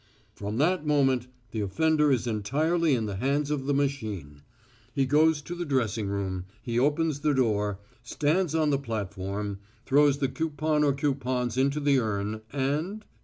"From that moment the offender is entirely in the hands of the machine. He goes to the dressing room, he opens the door, stands on the platform, throws the coupon or coupons into the urn, and